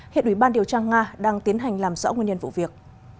hiện ủy ban điều tra nga đang tiến hành làm rõ nguyên nhân vụ việc